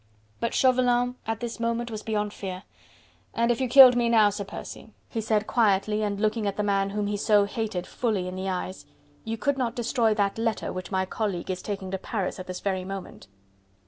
But Chauvelin at this moment was beyond fear. "And if you killed me now, Sir Percy," he said quietly and looking the man whom he so hated fully in the eyes, "you could not destroy that letter which my colleague is taking to Paris at this very moment."